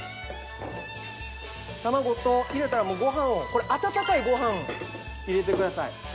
卵入れたらもうご飯をこれ温かいご飯入れてください。